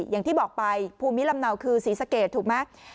อย่างที่บอกไปภูมิลำเนาคือศรีสะเกดถูกไหม